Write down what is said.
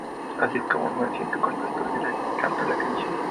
Así es cómo me siento cuando canto la canción.